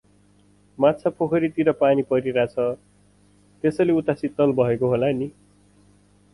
माछापोखरी तिर पानी परिराछ, त्यसैले उता शीतल भएको होला नि।